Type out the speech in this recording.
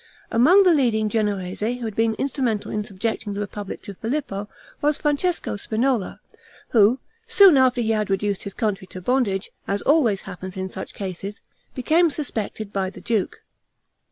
Among the leading Genoese who had been instrumental in subjecting the republic to Filippo, was Francesco Spinola, who, soon after he had reduced his country to bondage, as always happens in such cases, became suspected by the duke.